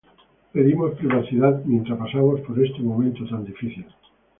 Pedimos privacidad mientras pasamos por este momento tan difícil".